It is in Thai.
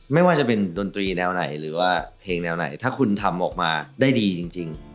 ไม่ว่าจะเป็นดนตรีแนวไหนหรือว่าเพลงแนวไหนถ้าคุณทำออกมาได้ดีจริง